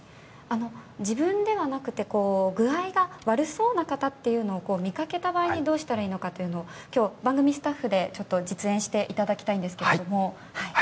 自分ではなくて具合が悪そうな方を見かけた場合にどうしたらいいのか番組スタッフで実演していただきたいんですが。